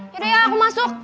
yaudah ya aku masuk